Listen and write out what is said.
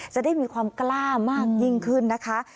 จะได้มีความกล้ามากยิ่งขึ้นนะคะ